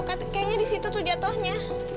kayaknya disitu tuh jatohnya